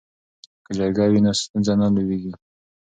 که جرګه وي نو ستونزه نه لویږي.